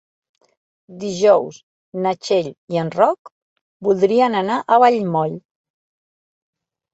Dijous na Txell i en Roc voldrien anar a Vallmoll.